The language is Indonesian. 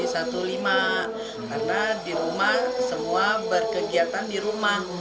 karena di rumah semua berkegiatan di rumah